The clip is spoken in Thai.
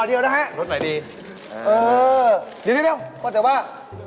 เดี๋ยวพอเดี๋ยวล่ะเดี๋ยวว่ามันรสไง